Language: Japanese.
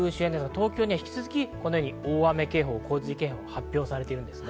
東京では引き続き大雨洪水警報が発表されています。